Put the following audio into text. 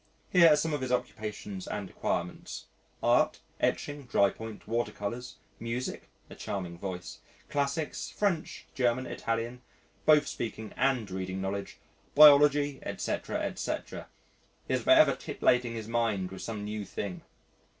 Here are some of his occupations and acquirements: Art (etching, drypoint, water colours), music (a charming voice), classics, French, German, Italian (both speaking and reading knowledge), biology, etc., etc. He is for ever titillating his mind with some new thing.